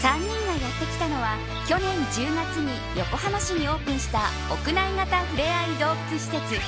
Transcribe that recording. ３人がやってきたのは去年１０月に横浜市にオープンした屋内型ふれあい動物施設